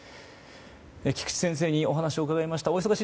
菊池先生にお話を伺いました。